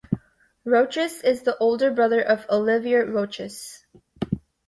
Rochus is the older brother of Olivier Rochus.